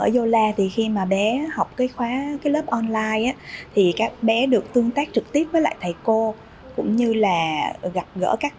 yola khi bé học lớp online thì các bé được tương tác trực tiếp với lại thầy cô cũng như gặp gỡ các